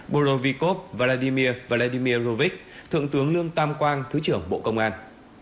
burovikov vladimir vladimirovich thượng tướng lương tam quang thứ trưởng bộ công an